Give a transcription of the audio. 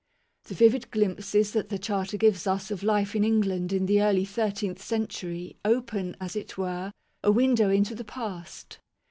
The vivid glimpses that the Charter gives us of life in England in the early thirteenth century open, as it were, a window into the past.